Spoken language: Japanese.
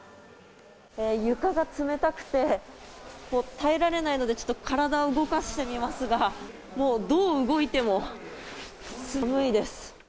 床が冷たくて、耐えられないので、ちょっと体を動かしてみますが、もうどう動いても寒いです。